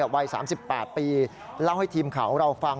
วัย๓๘ปีเล่าให้ทีมข่าวของเราฟัง